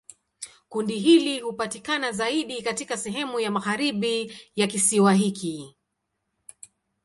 Kundi hili hupatikana zaidi katika sehemu ya magharibi ya kisiwa hiki.